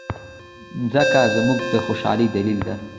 مځکه زموږ د خوشالۍ دلیل ده.